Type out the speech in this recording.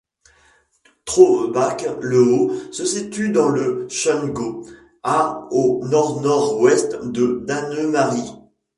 Traubach-le-Haut se situe dans le Sundgau, à au nord-nord-ouest de Dannemarie.